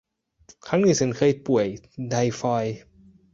ครั้งหนึ่งฉันเคยป่วย ไทฟอยด์